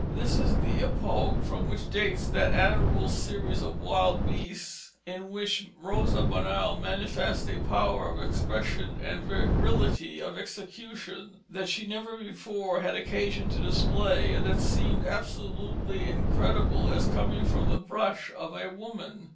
This is the epoch from which dates that admirable series of wild beasts in which Rosa Bonheur manifests a power of expression and virility of execution that she never before had occasion to display, and that seem absolutely incredible as coming from the brush of a woman.